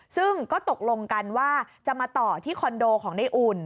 ซึ่งก็ตกลงกันว่าจะมาต่อที่คอนโดของในอุ่น